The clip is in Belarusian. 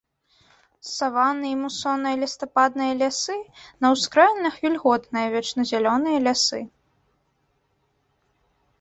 Саванны і мусонныя лістападныя лясы, на ўскраінах вільготныя вечназялёныя лясы.